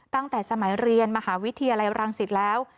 ตั้งแต่สมัยเรียนมหาวิทยาลัยรังสิตแล้ว